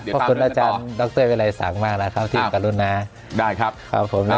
ขอบคุณอาจารย์ดรวิรัยสังมากรับความที่หญิงกับลุงนะฮะ